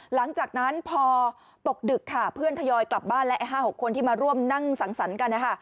หลังจากนั้นพอตกดึกค่ะเพื่อนทยอยกลับบ้านและ๕๖คนที่มาร่วมนั่งสังสรรค์กันนะคะ